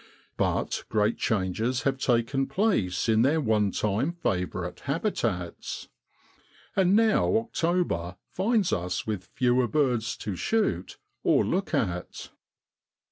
But great changes have taken place in their one time favourite habitats. And now October finds us with fewer birds to shoot, or look at.